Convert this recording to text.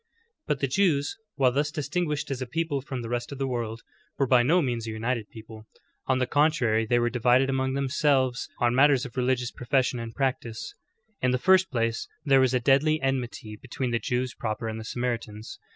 6. But the Jews, while thus distinguished as a people from the rest of the world, were by no means a united peo ple ; on the contrary they were divided among themselves ^ See Note 2, end of chapter. THE CHURCH ESTABLISHED. 3 0!i matters of religious profession and practice In the first place, there was a deadly enmity between the Jews proper and the Samaritans.